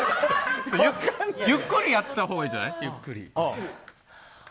ゆっくりやったほうがいいんじゃない？